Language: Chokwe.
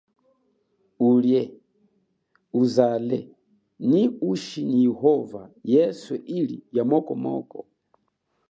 Ulie, uzale, nyi uchi nyi yehova yeswe ili ya moko moko.